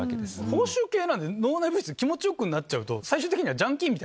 報酬系なんで脳内物質気持ちよくなっちゃうと最終的に。